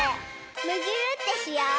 むぎゅーってしよう！